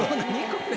これ。